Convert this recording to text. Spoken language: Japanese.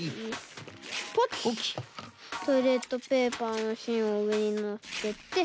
トイレットペーパーのしんをうえにのっけて。